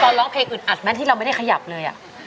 ร้องเพลงอึดอัดไหมที่เราไม่ได้ขยับเลย